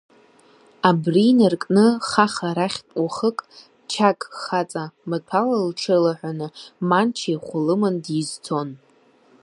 Абри инаркны, хаха рахьтә уахык, Ҷақ хаҵа маҭәала лҽеилаҳәаны, манча ихәы лыман дизцон.